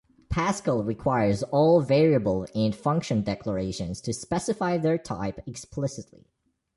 Pascal requires all variable and function declarations to specify their type explicitly.